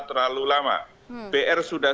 terlalu lama pr sudah